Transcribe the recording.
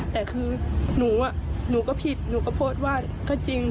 แต่คือหนูก็ผิดหนูก็โพสต์ว่าก็จริง